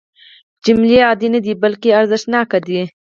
جملې عادي نه دي بلکې ارزښتناکې دي.